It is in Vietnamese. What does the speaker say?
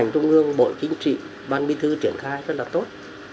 trung ương bộ chính trị ban bí thư triển khai rất là tốt